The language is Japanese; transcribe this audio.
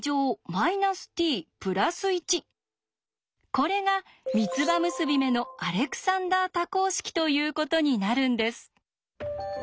これが三つ葉結び目のアレクサンダー多項式ということになるんです。